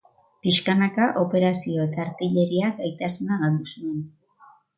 Pixkanaka, operazio eta artilleria gaitasuna galdu zuen.